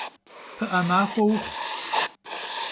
Pı'e maxue vuxhu!